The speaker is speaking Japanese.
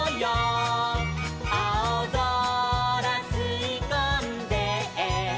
「あおぞらすいこんで」